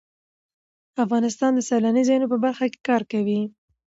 افغانستان د سیلاني ځایونو په برخه کې کار کوي.